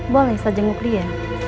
boleh saja ngukri ya